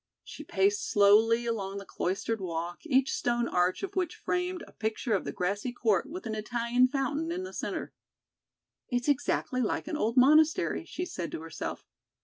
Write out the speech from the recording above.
She paced slowly along the cloistered walk, each stone arch of which framed a picture of the grassy court with an Italian fountain in the center. "It's exactly like an old monastery," she said to herself.